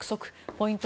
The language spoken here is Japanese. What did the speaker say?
ポイント